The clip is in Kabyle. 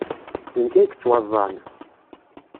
D nekk ay yettwaẓẓɛen.